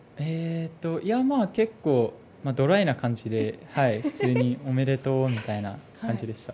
結構ドライな感じで普通におめでとうみたいな感じでした。